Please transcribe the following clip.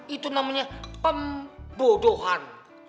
itu namanya pembodohan